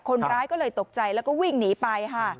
คนร้ายก็เลยตกใจแล้วก็วิ่งหนีไปค่ะ